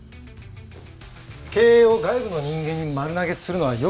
経営を外部の人間に丸投げするのはよくありません。